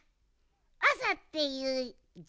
「あさ」っていうじ。